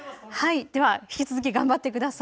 引き続き頑張ってください。